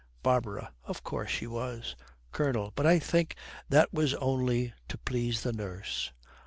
BARBARA. 'Of course she was.' COLONEL. 'But I think that was only to please the nurse.'